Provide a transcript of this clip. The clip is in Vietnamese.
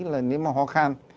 là nếu mà ho khan